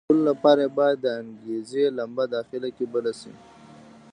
خو د کولو لپاره یې باید د انګېزې لمبه داخله کې بله شي.